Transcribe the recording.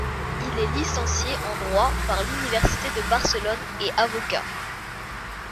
Il est licencié en droit par l'Université de Barcelone et avocat.